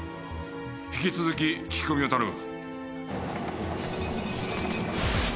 引き続き聞き込みを頼む。